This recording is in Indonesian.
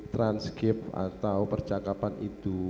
transkip atau percakapan itu